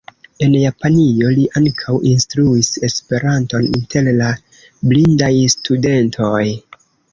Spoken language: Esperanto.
En Japanio li ankaŭ instruis Esperanton inter la blindaj studentoj.